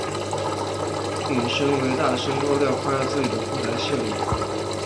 引申为大声高调夸耀自己的后台势力。